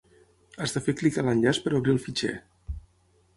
Has de fer clic a l'enllaç per obrir el fitxer